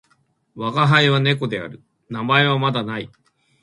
わがはいは猫である。名前はまだ無い。